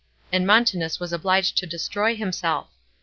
''and Montanus was oblLed to destroy himself.